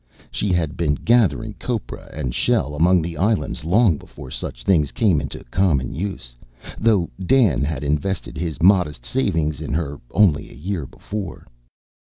She had been gathering copra and shell among the islands long before such things came into common use, though Dan had invested his modest savings in her only a year before.